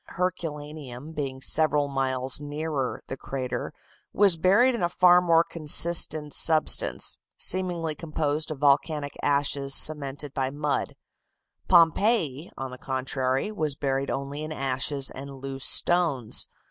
Herculaneum being several miles nearer the crater, was buried in a far more consistent substance, seemingly composed of volcanic ashes cemented by mud; Pompeii, on the contrary, was buried only in ashes and loose stones.